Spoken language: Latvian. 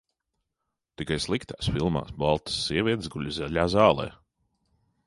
Tikai sliktās filmās baltas sievietes guļ zaļā zālē.